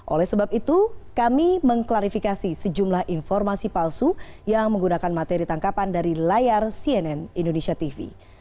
oleh sebab itu kami mengklarifikasi sejumlah informasi palsu yang menggunakan materi tangkapan dari layar cnn indonesia tv